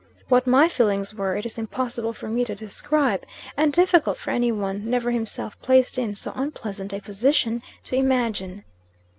What my feelings were, it is impossible for me to describe; and difficult for any one, never himself placed in so unpleasant a position, to imagine.